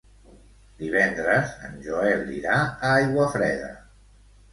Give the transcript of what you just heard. Divendres en Joel irà a Aiguafreda.